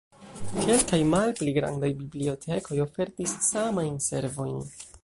Kelkaj malpli grandaj bibliotekoj ofertis samajn servojn.